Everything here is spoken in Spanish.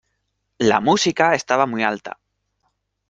La música estaba muy alta.